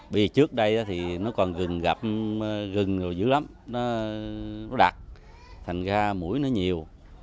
bây giờ trước đây thì nó còn gừng gặp gừng rồi dữ lắm nó đặc thành ra mũi nó nhiều